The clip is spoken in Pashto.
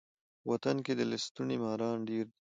په وطن کي د لستوڼي ماران ډیر دي.